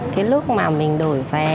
cái lúc mà mình đổi vé